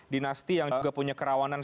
dinasti yang juga punya kerawanan